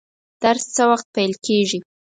درس څه وخت پیل کیږي؟